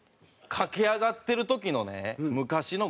駆け上がってる時のね昔の後藤さん